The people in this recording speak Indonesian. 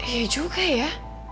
iya juga ya